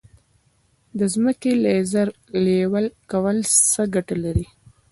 د ځمکې لیزر لیول کول څه ګټه لري؟